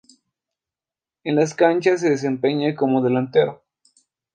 En las canchas se desempeñaba como delantero.